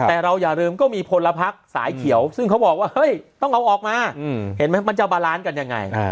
แต่เราอย่าลืมก็มีพลพักสายเขียวซึ่งเขาบอกว่าเฮ้ยต้องเอาออกมาเห็นไหมมันจะบาลานซ์กันยังไง